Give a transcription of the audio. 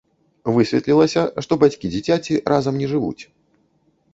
Высветлілася, што бацькі дзіцяці разам не жывуць.